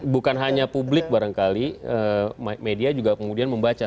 bukan hanya publik barangkali media juga kemudian membaca